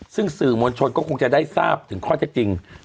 ซึ่งสื่อมวลชนก็คงจะได้ทราบถึงข้อเท็จจริง